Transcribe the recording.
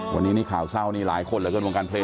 วันนี้นะคราวเศร้าหลายคนเหลิงเกินวงการเฟลช์